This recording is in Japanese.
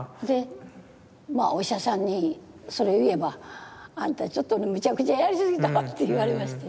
お医者さんにそれを言えば「あんたちょっとむちゃくちゃやりすぎたわ」って言われまして。